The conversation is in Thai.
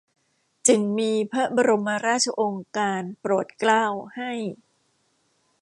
จึ่งมีพระบรมราชโองการโปรดเกล้า ให้